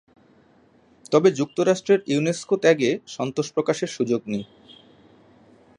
তবে যুক্তরাষ্ট্রের ইউনেসকো ত্যাগে সন্তোষ প্রকাশের সুযোগ নেই।